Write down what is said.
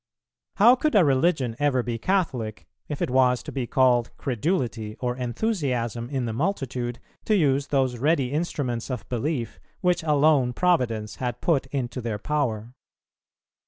How could a religion ever be Catholic, if it was to be called credulity or enthusiasm in the multitude to use those ready instruments of belief, which alone Providence had put into their power?